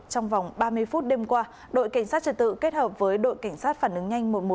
trong vòng ba mươi phút đêm qua đội cảnh sát trật tự kết hợp với đội cảnh sát phản ứng nhanh một trăm một mươi một